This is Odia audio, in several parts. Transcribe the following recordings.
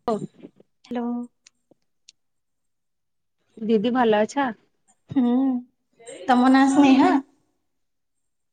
[unintelligible] ହ୍ୟାଲୋ। ଦିଦି ଭଲ ଅଛ? ହୁଁ ତମ ନାଁ ସ୍ନେହା।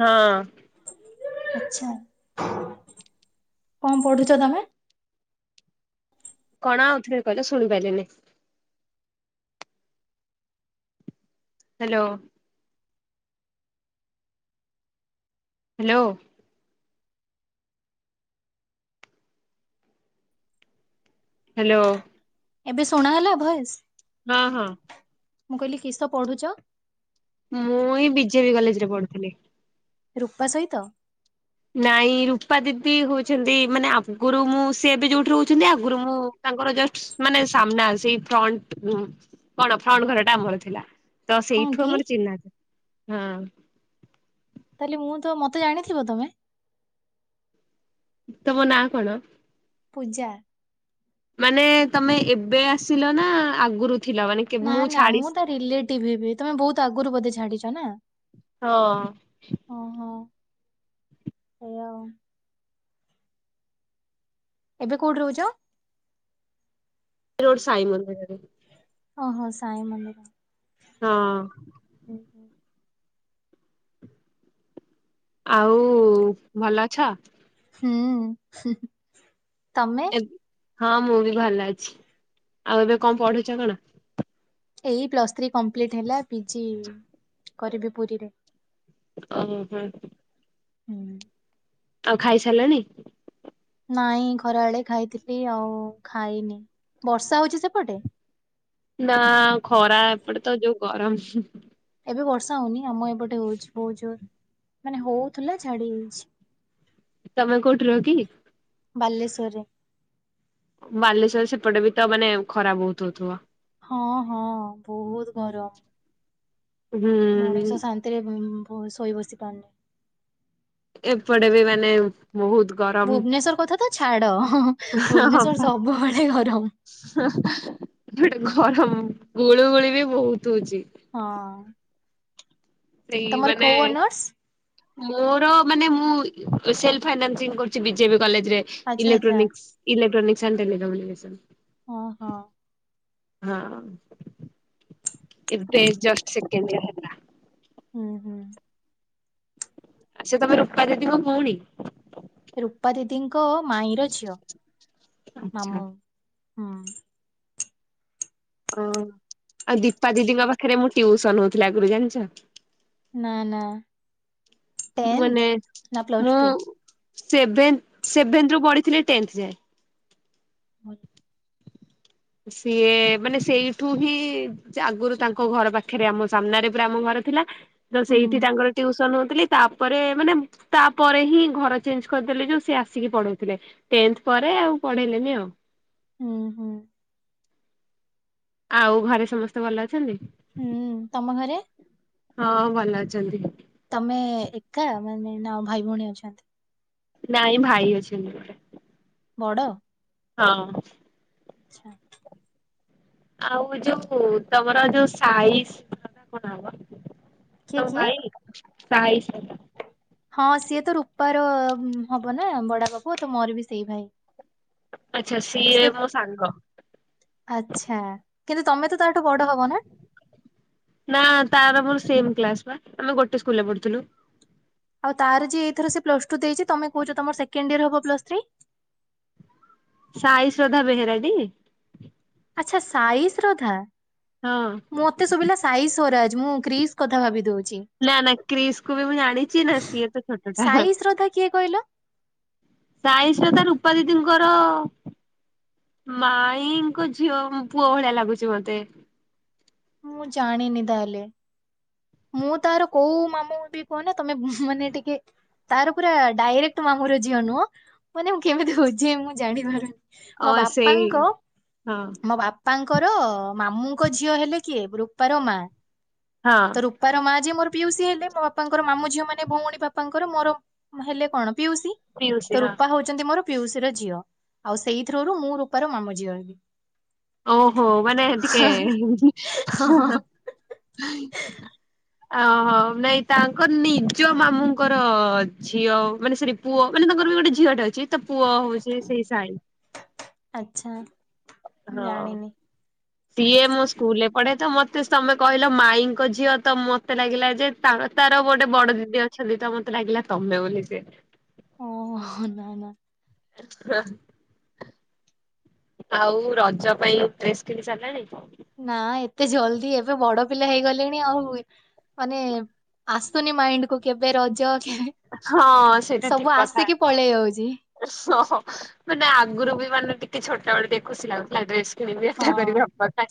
ହଁ। ଆଛା କଣ ପଢୁଚ ତମେ? କଣ ଆଉଥରେ କହିଲ ଶୁଣି ପାରିଲିନି? ହ୍ୟାଲୋ। ହ୍ୟାଲୋ। ହ୍ୟାଲୋ। ଏବେ ଶୁଣା ହେଲା ଭଏସ୍। ହଁ ହଁ। ମୁଁ କହିଲି କିସ ପଢୁଚ? ମୁଁ ଏଇ ବିଜେବିି କଲେଜରେ ପଢ଼ୁଥିଲି। ରୂପା ସହିତ। ନାଇଁ ରୂପା ଦିଦି ହଉଛନ୍ତି ମାନେ ଆଗରୁ ମୁଁ ସେ ଏବେ ଯୋଉଠି ରହୁଛନ୍ତି ଆଗରୁ ମୁଁ ତାଙ୍କର ଜଷ୍ଟ ମାନେ ସାମ୍ନା ସେଇ ଫ୍ରଣ୍ଟ କଣ ଫ୍ରଣ୍ଟ ଘରଟା ଆମର ଥିଲା। ତ ହଁ ସେଇଠୁ କି ଆମର ଚିହ୍ନା ହଁ। ତାହେଲେ ମୁଁ ତ ମତେ ଜାଣିଥିବ ତମେ? ତମ ନାଁ କଣ? ପୂଜା। ମାନେ ତମେ ଏବେ ଆସିଲ ନା ଆଗରୁ ଥିଲ ମାନେ ନା ନା ମୁଁ ତା ରିଲେଟିଭ ହେବି ତମେ ବହୁତ ଆଗରୁ ବୋଧେ ଛାଡିଛ ନା। ହଁ। ଓହୋ। ସେଇଆ ଆଉ ଏବେ କୋଉଠି ରହୁଛ? ରୋଡ ସାଇ ମନ୍ଦିରରେ। ଓହୋ ସାଇ ମନ୍ଦିର। ହଁ। ଆଉ ଭଲ ଅଛ? ହୁଁ ତମେ? ଏବ୍ ହଁ ମୁଁ ବି ଭଲ ଅଛି, ଆଉ ଏବେ କଣ ପଢୁଛ କଣ? ଏଇ ପ୍ଲସ୍ ଥ୍ରୀ କମ୍ପ୍ଲିଟ ହେଲା ପିଜି କରିବି ପୁରୀରେ। ଓ ହ। ହୁଁ। ଆଉ ଖାଇସାରିଲଣି? ନାଇଁ ଖରା ବେଳେ ଖାଇଥିଲି ଆଉ ଖାଇନି ବର୍ଷା ହଉଛି ସେପଟେ ନା ଖରା ଏପଟେ ତ ଯୋଉ ଗରମ। ଏବେ ବର୍ଷା ହଉନି ଆମ ଏପଟେ ହଉଛି ବହୁତ୍ ଜୋର। ମାନେ ହଉଥିଲା ଛାଡି ଯାଇଛି। ତମେ କୋଉଠି ରୁହ କି? ବାଲେଶ୍ୱରରେ। ବାଲେଶ୍ଵର ସେପଟେ ବି ତ ମାନେ ଖରା ବହୁତ ହଉଥିବ। ହଁ ହଁ ବହୁତ ଗରମ। ହୁଁ ମଣିଷ ଶାନ୍ତିରେ ଶୋଇ ବସି ପାରୁନି। ଏପଟେ ବି ମାନେ ବହୁତ ଗରମ ଭୁବନେଶ୍ଵର କଥା ତ ଛାଡ ଭୁବନେଶ୍ୱର୍ ସବୁବେଳେ ଗରମ। ହ ଗୋଟେ ଗରମ ଗୁଳୁ ଗୁଳି ବି ବହୁତ ହଉଛି। ହଁ। ସେଇ ତମର ମାନେ କୋଉ ଅନର୍ସ ମୋର ମାନେ ମୁଁ ସେଲଫାଇନାସିଂ କରୁଛି ବିଜେପି କଲେଜରେ। ଆଚ୍ଛା ଆଚ୍ଛା ଲେକ୍ଟ୍ରାନିକ୍ସ୍ ଇଲେକ୍ଟ୍ରାନିକକ୍ସ ଆଣ୍ଡ ଟେଲିକମ୍ୟୁନିକେସନ। ଓହୋ। ହଁ ଏବେ ଜଷ୍ଟ ସେକେଣ୍ଡ ଇଅର ହେଲା। ହୁଁ। ଆଛା ତମେ ରୂପା ଦିଦିଙ୍କ ଭଉଣୀ। ରୂପା ଦିଦିଙ୍କ ମାଇଁର ଝିଅ ଆଚ୍ଛା। ମାମୁଁ ହୁଁ। ଓହ ଆଉ ଦୀପା ଦିଦିଙ୍କ ପାଖରେ ମୁଁ ଟିଉସନ ହଉଥିଲି ଆଗରୁ ଜାଣିଛ? ନା ନା। ଟେନ୍ଥ ମାନେ ନା ପ୍ଲସ ମୁଁ ଟୁ ସେ ସେଭେନ୍ଥ ରୁ ପଢିଥିଲି ଟେନ୍ଥ ଯାଏ। ହ। ସିଏ ମାନେ ସେଇଠୁ ହିଁ ଆଗରୁ ତାଙ୍କ ଘର ପାଖରେ ଆମ ସାମ୍ନାରେ ପୁରା ଆମ ଘର ଥିଲା। ତ ହୁଁ ସେଇଠି ତାଙ୍କର ଟ୍ୟୁସନ ହଉଥିଲି। ତାପରେ ମାନେ ତାପରେ ହିଁ ଘର ଚେଞ୍ଜ କରିଦେଲେ ଯୋଉ ସେ ଆସିକି ପଢଉଥିଲେ। ଟେନ୍ଥ ପରେ ଆଉ ପଢେଇଲେନି ଆଉ। ହୁଁ ହୁଁ। ଆଉ ଘରେ ସମସ୍ତେ ଭଲ ଅଛନ୍ତି? ହୁଁ ତମ ଘରେ? ହଁ ଭଲ ଅଛନ୍ତି। ତମେ ଏକା ମାନେ ନା ଭାଇ ଭଉଣୀ ଅଛନ୍ତି? ନାଇଁ ଭାଇ ଅଛି। ବଡ଼? ହଁ। ଆଚ୍ଛା। ଆଉ ଯୋଉ ତମର ଯୋଉ ସାଇଜ କଣ ହବ? କିଏ ତ କିଏ? ଭାଇ ଶାଇ ସେ ହଁ ସିଏ ତ ରୂପାର ହବ ନା ବଡ ବାପା ପୁଅ ତ ମୋର ବି ସେଇ ଭାଇ। ଆଚ୍ଛା ସିଏ ସେ ମୋ ସାଙ୍ଗ। ଆଚ୍ଛା କିନ୍ତୁ ତମେ ତ ତାଠୁ ବଡ ହବ ନା? ନା ତାର ମୋର ସେମ କ୍ଲାସ ବା ଆମେ ଗୋଟେ ସ୍କୁଲରେ ପଢୁଥିଲୁ। ଆଉ ତାର ଯି ଏଇଥର ସେ ପ୍ସ ଟୁ ଦେଇଛି, ତମେ କହୁଛ ତମର ସେକଣ୍ଡ ଇୟର ହବ ବୋଲି। ସାଇ ଶ୍ରଦ୍ଧା ବେହେରା କି? ଆଚ୍ଛା ସାଇ ଶ୍ରଧା ହଁ ମତେ ସୁୁବିଲା ସାଇ ସ୍ୱରାଜ ମୁଁ କ୍ରିସ୍ କଥା ଭାବି ଦଉଚି। ନା ନା କ୍ରିସକୁ ବି ମୁଁ ଜାଣିଛି ନ ସିଏ ତ ଛୋଟଟା। ସାଇ ଶ୍ରଦ୍ଧା କିଏ କହିଲ ସାଇ ଶ୍ରଦ୍ଧା ରୂପା ଦିଦିଙ୍କର ମାଇଙ୍କ ଝିଅ ପୁଅ ଭଳିଆ ଲାଗୁଛି ମତେ। ମୁଁ ଜାଣିନି ତାହେଲେ। ମୁଁ ତାର କୋଉ ମାମୁଁ ବି କୁହନ ତମେ ମାନେ ଟିକେ ତାର ପୁରା ଡାଇରେକ୍ଟ ମାମୁଁର ଝିଅ ନୁହଁ ମାନେ ମୁଁ କେମିତି ବୋ ଝେଇବି ମୁଁ ଜାଣିପାରୁନି। ଅ ମୋ ସେଇ ବାପାଙ୍କ ହଁ ମୋ ବାପ ବାପାଙ୍କର ମାମୁଙ୍କ ଝିଅ ହେଲେ କିଏ ରୁପାର ମା ହଁ। ବାପାର ମା ଯେଏ ମୋର ପିଉସି ହେଲେ, ମୋ ବାପାଙ୍କର ମାମୁ ଝିଅ ମାନେ ଭଉଣୀ ବାପାଙ୍କର ମୋର ହେଲେ କଣ ପିଉସି ପିଉସୀ ତ ହଁ ରୁପା ହଉ ମୋର ପିଉସୀ ର ଝିଅ ଆଉ ସେଇଥିରରୁ ମୁଁ ରୂପାର ମାମୁଁ ଝିଅ ହେବି। ଓହୋ ମାନେ ଟିକେ ହଁ ହଁ। [unintelligible] ଓହୋ ନାଇଁ ତାଙ୍କର ନିଜ ମାମୁଁଙ୍କର ଝିଅ ମାନେ ସରି ପୁଅ ମାନେ ତାଙ୍କର ବି ଗୋଟେ ଝିଅଟେ ଅଛି ତ ପୁଅ ହଉଛି ସେଇ ସାଇ। ଆଛା ମୁଁ ହଁ। ଜାଣିନି। ସିଏ ମୋ ସ୍କୁଲରେ ପଢେ ତ ମତେ ତମେ କହିଲ ମାଇଙ୍କ ଝିଅ ତ ମତେ ଲାଗିଲା ଯେ ତାର ଗୋଟେ ବଡ ଦିଦି ଅଛନ୍ତି ତ ମତେ ଲାଗିଲା ତମେ ବୋଲି ସେ। ଓହୋ ନାଁ ନାଁ। [unintelligible] ଆଉ ରଜ ପାଇଁ ଡ୍ରେସ କିଣି ସାରିଲାଣି? ନା ଏତେ ଜଲଦି ଏବେ ବଡ ପିଲା ହେଇଗଲେଣି ଆଉ। ମାନେ ଆସୁନି ମାଇଣ୍ଡ କୁ କେବେ ରଜ କେବେ? ହଁ ସେଇଟା ଠିକ ସବୁ କଥା। ଆସିକି ପଳେଇ ଯାଉଛି। ସହ ମାନେ ଆଗରୁ ବି ମାନେ ଟିକେ ଛୋଟ ବେଳେ ଟିକେ ଖୁସି ଲାଗୁଥିଲା ଡ୍ରେସ୍ ମ ବି ଏଟା ହଁ।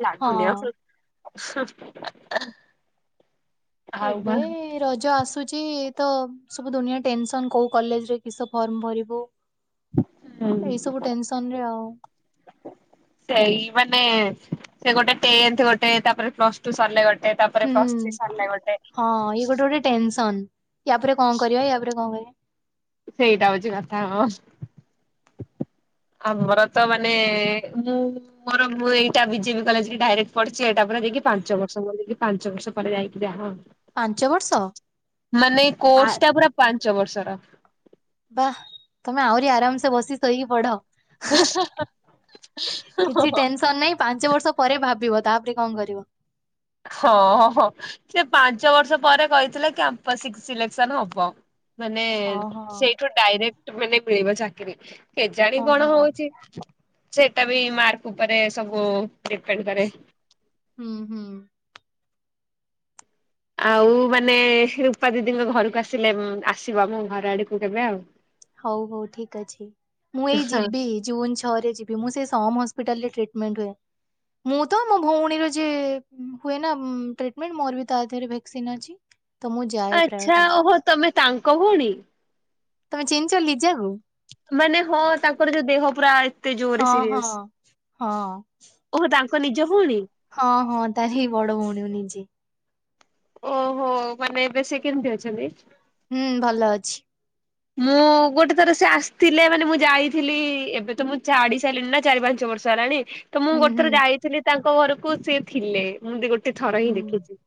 [unintelligible] ଲାଗୁନି ହଁ ଆଉ ବା ଏବେ ରଜ ଆସୁଛି। ତ ସବୁ ଦୁନିଆ ଟେନସନ କୋଉ କଲେଜରେ କିସ ଫର୍ମ ଭରିବୁ। ହୁଁ। ଏଇ ସବୁ ଟେନସନ ରେ ଆଉ। ସେଇ ମାନେ ସେ ଗୋଟେ ଟେନଥ୍ ଗୋଟେ ତାପରେ ପ୍ଲସଟୁ ସରିଲେ ଗୋଟେ ତାପ୍ ହୁଁ ହଁ ଇଏ ଗୋଟେ ଗୋଟେ ଟେନସନ୍ ୟା ପରେ କଣ କରିବା ୟାପରେ କଣ କରିଆ ସେଇଟା ହୋଉଚି କଥା ପ୍ଲସ୍ ଆମର ତ ମାନେ ମୁଁ ମୋର ମୁଁ ଏଇଟା ବିଜେବି କଲେଜକି ଡାଇରେକ୍ଟ ପଢିଚି ଏଇଟା ପରେ ଯାଇକି ପାଞ୍ଚ ବର୍ଷ ମୋର ଯାଇକି ପାଞ୍ଚ ବର୍ଷ ପରେ ଯାଇକି ଯାହା ପାଞ୍ଚ ବର୍ଷ ଆଉ ମାନେ ଆ କୋର୍ସଟା ପୁରା ପାଞ୍ଚ ବର୍ଷର। ବା ତମେ ଆହୁରି ଆରାମସେ ବସି ଶୋଇକି ପଢ। କିଛି ଟେନସ ସନ୍ ନାଇଁ ପାଞ୍ଚ ବର୍ଷ ପରେ ଭାବିବ ତାପରେ କଣ କରିବ। ହଁଅ ହଁ କିଏ ପାଞ୍ଚ ବର୍ଷ ପରେ କହିଥିଲେ କ୍ୟାମ୍ପସ ସିକ୍ ସିଲେକ୍ସନ ହବ। ମାନେ ହଁ ହଁ। ସେଇଠୁ ଡାଇରେକ୍ଟ ମାନେ ମିଳିବ ଚାକିରି। କେଜାଣି ହଁ କଣ ହଁ ହୋଉଚି ସେଟା ବି ମାର୍କ ଉପରେ ସବୁ ଡିପେଣ୍ଡ କରେ। ଉଁହୁଁ। ଆଉ ମାନେ ରୂପା ଦିଦିଙ୍କ ଘରକୁ ଆସିଲେ ଉଁ ଆସିବ ଆମ ଘର ଆଡକୁ କେବେ ଆଉ। ହୋଉ ହୋଉ ଠିକ ଅଛି ମୁଁ ଏଇ ହଁ ଯିବି ଜୁନ ଛ ଛଅରେ ଯିବି ମୁଁ ସେଇ ସମ ହସ୍ପିଟାଲରେ ଟ୍ରିଟମେଣ୍ଟ ହୁଏ। ମୁଁ ତ ମୋ ଭୋଉଣୀର ଯିଏ ଉଁ ହୁଏନା ଉଁ ଟ୍ରିଟମେଣ୍ଟ ମୋର ବି ତା ଦେହରେ ଭେକ୍ସିନ ଅଛି। ତ ମୁଁ ଯାଏ ପ୍ରାୟ ଆଚ୍ଛା ଟାଇମ୍ ଓହୋ ତମେ ତାଙ୍କ ଭୋଉଣୀ। ତମେ ଚିନଚ ଲିଜାକୁ? ମାନେ ହଁ ତାଙ୍କର ଯୋଉ ଦେହ ପୁରା ଏତେ ଜୋରେ ହଁ ହଁ। ସିରିଅସ୍। ହଁ ଓହୋ ତାଙ୍କ ନିଜ ଭୋଉଣୀ। ହଁ ହଁ ତାରି ବଡ ଭୋଉଣୀ ମୁଁ ନିଜେ। ଓହୋ ମାନେ ଏବେ ସେ କେମତି ଅଛନ୍ତି? ହୁଁ ଭଲ ଅଛି। ମୁଁ ଗୋଟେ ଥର ସେ ଆସିଥିଲେ ମାନେ ମୁଁ ଯାଇଥିଲି ଏବେ ତ ମୁଁ ଛାଡି ସାଇଲିିଣି ନା ଚାରି ପାଞ୍ଚ ବର୍ଷ୍ ଷ ହେଲାଣି ତ ମୁଁ ହୁଁ ଗୋଟେ ହୁଁ ଥର ଯାଇଥିଲି ତାଙ୍କ ଘରକୁ ସିଏ ଥିଲେ ମୁଁ ଏମତି ଗୋଟେ ଥର ହିଁ ହୁଁ ଦେଖିଚି।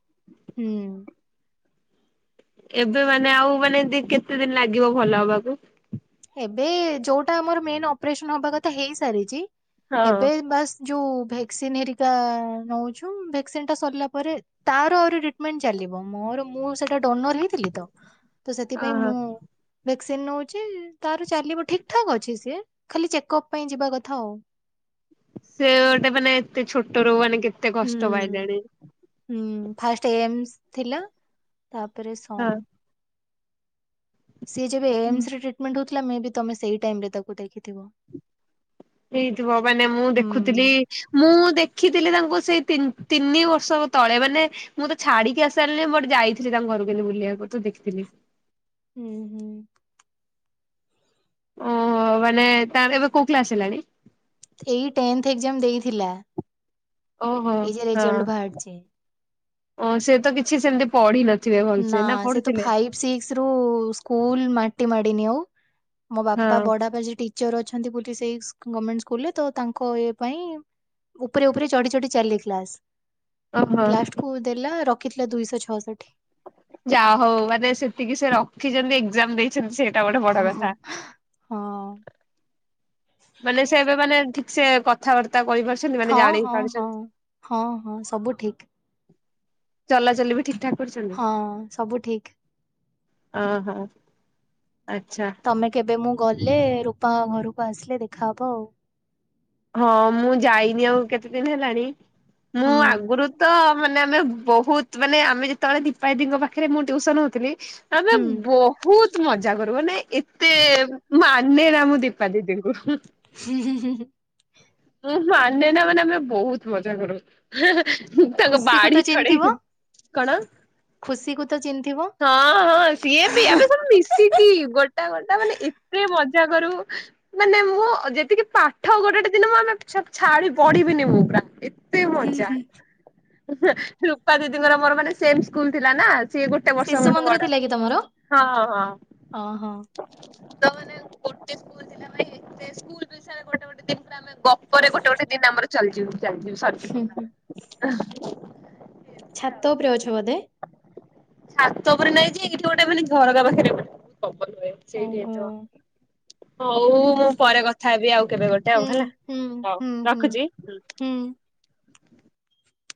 ହୁଁ। ଏବେ ମାନେ ଆଉ ମାନେ ଦି କେତେ ଦିନ ଲାଗିବ ଭଲ ହବାକୁ? ଏବେ ଯୋଉଟା ଆମର ମେନ୍ ଅପରେସନ ହବା କଥା ହେଇ ସାରିଚି ହଁ। ଏବେ ବାସ୍ ଯୋଉ ଭେକ୍ସିନ ହେରିକା ନୋଉଛୁ ଭେକ୍ସିନଟା ସରଲା ପରେ ତାର ଆହୁରି ଟ୍ରିଟମେଣ୍ଟ ଚାଲିବ ମୋର ମୁଁ ସେଟା ଡୋନର ହେଇଥିଲି ତ ତ ସେଥିପାଇଁ ଓହୋ ମୁଁ ଭେକ୍ସିନ ନୋଉଚି ତାର ଚାଲିବ ଠିକ ଠାକ ଅଛି ସିଏ ଖାଲି ଚେକଅପ୍ ପାଇଁ ଯିବା କଥା ଆଉ। ସେ ଗୋଟେ ମାନେ ଏତେ ଛୋଟରୁ ମାନେ କେତେ ହୁଁ କଷ୍ଟ ପାଇଲେଣି। ହୁଁ ଫାଷ୍ଟ ଏମସ୍ ଥିଲା ତାପରେ ହଁ। ସମ୍। ସିଏ ଯେବେ ଏମସରେ ଟ୍ରିଟମେଣ୍ଟ ହୋଉଥୁଲା ମେ ବି ତମେ ସେଇା ଟାଇମରେ ତାକୁ ଦେଖିଥିବ। ହେଇଥିବ ମାନେ ମୁଁ ହୁଁ ଦେଖୁଥୁଲି ମୁଁ ଦେଖିଥିଲି ତାଙ୍କୁ ସେଇ ତିନ୍ ତିନି ବର୍ଷ ତଳେ ମାନେ ମୁଁ ତ ଛାଡିକି ଆସିସାରଲି ବଟ୍ ଯାଇଥିଲି ତାଙ୍କ ଘରକୁ ଏମତି ବୁଲିବାକୁ ତ ଦେଖିଥିଲି। ଉଁହୁଁ। ଓହୋ ମାନେ ତା ଏବେ କୋଉ କ୍ଲାସ ହେଲାଣି? ଏଇ ଟେନଥ୍ ଏଗଜାମ ଦେଇଥିଲା। ଓହୋ ଏଇ ଯେ ହଁ ରେଜଲ୍ଟ ବାହାରିଛି ଓ ସେ ତ କିଛି ସେମିତି ପଢିନ ଥିବେ ଭଲସେ ନା ପଢୁଥିଲେ? ସିକ୍ସରୁ ସ୍କୁଲ ମାଟି ମାଡିନି ଆଉ ମୋ ହଁ। ବାପା ବଡବାପା ଯିଏ ଟି ଚର ଅଛନ୍ତି ବୋଲି ସେଇ ସ୍ ଗମେଣ୍ଟ ସ୍କୁଲରେ ତ ତାଙ୍କ ଏ ପାଇଁ ଉପରେ ଉପରେ ଚଢି ଚଢି ଚାଲେ କ୍ଲାସ ଓହୋ। ଲାଷ୍ଟକୁ ଦେଲା ରଖିଥିଲା ଦୁଇଶ ଛଅଷଠି। ଯାହୋଉ ମାନେ ସେତିକି ସେ ରଖିଚନ୍ତି ଏଗଜାମ ଦେଇଚନ୍ତି ସେ ହଁ ହଁ ହଁ। ମାନେ ସେ ଏବେ ମାନେ ଠିକ ସେ କଥାବାର୍ତ୍ତା କରିପାରୁଛି। ହଁ ହଁ ହଁ ହଁ ହଁ ସବୁ ଠିକ। ଚଲା ଚାଲି ବି ଠିକ୍ ଠାକ୍। ହଁ ସବୁ ଠିକ୍। ଅଁ ହ ଆଚ୍ଛା। ତମେ କେବେ ମୁଁ ଗଲେ ରୂପା ଙ୍କ ଘରକୁ ଆସିଲେ ଦେଖାହବ ଆଉ। ହଁ ମୁଁ ଯାଇନି ଆଉ କେତେ ଦିନ ହେଲାଣି ହୁଁ ମୁଁ ଆଗରୁ ତ। ମାନେ ଆମେ ବହୁତ ମାନେ ଆମେ ଯେତେ ବେଳେ ଦୀପା ଦୀଙ୍କ ପାଖରେ ମୁଁ ଟିଉସନ ହଉଥିଲି। ଆମେ ହୁଁ ବହୁତ ମଜା କରୁ ମାନେ ଏତେ ମାନେ ନା ମୁଁ ଦୀପ୍। ପା ଦିଦି ଙ୍କୁ ହୁଁ। ହୁଁ ହୁଁ ହୁଁଁ। ମୁଁ ମାନେ ନା ମାନେ ଆମେ ବହୁତ ମଜା କରୁ ହେଁ ହେଁ ହୁଁ ତାଙ୍କ ଖୁସିକୁ ବାଡି ଛଡେଇ। କଣ। ଖୁସି କୁ ତ ଚିହ୍ନ ଥିବ। ହଁ ହଁ ସିଏ ବି ଆମେ ସବୁ ମିଶିକି ଗୋଟା ଗୋଟା ମାନେ ଏତେ ମଜା କରୁ। ମାନେ ମୁଁ ଯେତିକି ପାଠ ଗୋଟେ ଗୋଟେ। ଦିନ ମୁଁ ଆମେ ଛ ଛାଡି ପଢିବିନି ମୁଁ ପୁରା ଏତେ ହୁଁ, ମଜା। ହୁଁ। ହେଁ ରୂପା ଦିଦିଙ୍କର ମୋର ମାନେ ସେମ ସ୍କୁଲ ଥିଲା ନା। ସିଏ ଗୋଟେ ବର୍ଷ ଶିଶୁ ମୋ ଠୁ ମନ୍ଦିର ବଡ ଥିଲା କି ତମର? ହଁ ହଁ। ଓହୋ ତ ମାନେ ଗୋଟେ ସ୍କୁଲ ଥିଲା ଭାଇ ଏତେ ସ୍କୁଲ ବିଷୟ ରେ ଗୋଟେ ଗୋଟେ ଦିନ। ପୁରା ଆମେ ଗପରେ ଗୋଟେ ଗୋଟେ ଦିନ ଆମର ଚାଲିଯିବୁ ଚାଲିଯିବୁ ହୁଁ ହୁଁ ସରିଯିବ। ଏମିତି ଆଉ ଛାତ ଉପରେ ଅଛ ବୋଧେ। ଛାତ ଉପରେ ନାଇଁ ଯେ ଏଇଠି ଗୋଟେ ମାନେ ଝରକା ପାଖରେ ପବନ ହୁଏ ସେଇଠି ଓହୋ ହେଇଥିବ। ହଉ ମୁଁ ପରେ କଥା ହେବି ଆଉ କେବେ ଗୋଟେ ହୁଁ ହେଲା ହୁଁ ହଉ ହୁଁ ହୁଁ ରଖୁଛି। ହୁଁ।